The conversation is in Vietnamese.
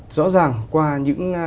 rõ ràng qua những